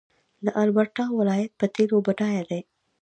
د البرټا ولایت په تیلو بډایه دی.